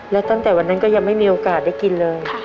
แล้วตั้งแต่วันนั้นก็ยังไม่มีโอกาสได้กินเลย